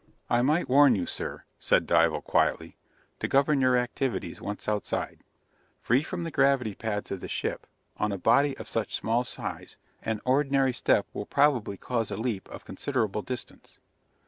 "I might warn you, sir," said Dival quietly, "to govern your activities, once outside: free from the gravity pads of the ship, on a body of such small size, an ordinary step will probably cause a leap of considerable distance."